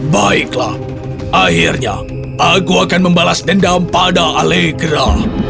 baiklah akhirnya aku akan membalas dendam pada alegra